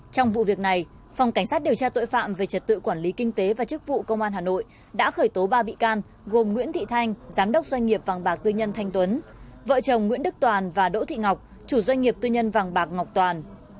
trong vụ việc này phòng cảnh sát điều tra tội phạm về trật tự quản lý kinh tế và chức vụ công an hà nội đã khởi tố ba bị can gồm nguyễn thị thanh giám đốc doanh nghiệp vàng bạc tư nhân thanh tuấn vợ chồng nguyễn đức toàn và đỗ thị ngọc chủ doanh nghiệp tư nhân vàng bạc ngọc toàn